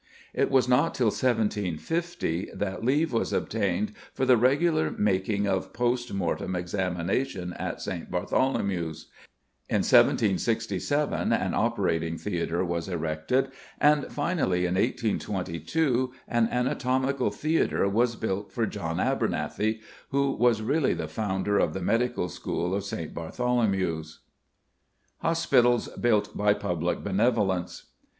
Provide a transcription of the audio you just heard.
It was not till 1750 that leave was obtained for the regular making of post mortem examinations at St. Bartholomew's. In 1767 an operating theatre was erected; and finally, in 1822, an anatomical theatre was built for John Abernethy, who was really the founder of the Medical School of St. Bartholomew's. HOSPITALS BUILT BY PUBLIC BENEVOLENCE.